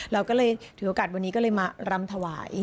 เราก็เลยถือโอกาสวันนี้ก็เลยมารำถวาย